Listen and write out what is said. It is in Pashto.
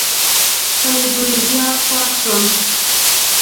په لیدو یې زیات خوښ شوم.